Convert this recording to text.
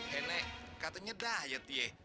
hei nek katanya dah ya tye